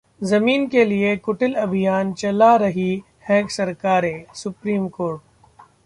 जमीन के लिए 'कुटिल अभियान' चला रही हैं सरकारें: सुप्रीम कोर्ट